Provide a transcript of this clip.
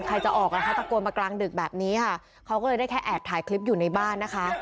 ใครจะออกล่ะคะตะโกนมากลางดึกแบบนี้ค่ะเขาก็เลยได้แค่แอบถ่ายคลิปอยู่ในบ้านนะคะ